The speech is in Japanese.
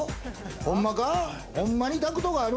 ほんまか？